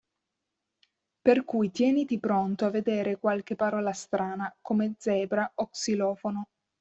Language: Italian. Per cui tieniti pronto a vedere qualche parola strana, come zebra e xilofono.